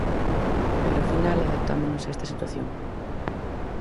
Pero ao final adaptámonos a esta situación.